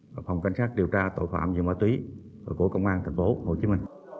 của phòng cảnh sát điều tra tội phạm về ma túy của công an tp hcm